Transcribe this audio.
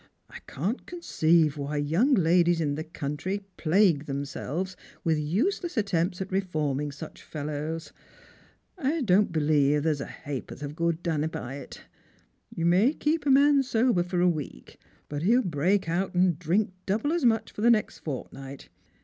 " I can't conceive why young ladies in the country plague themselves with useless attempts at reforming such fellows. I don't beHeve there's a ha'porth of good done by it. You may keep a man sober for a week, but he'll break out and drink double as much for the next fortnight.